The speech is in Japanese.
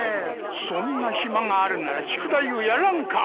そんな暇があるなら宿題をやらんか。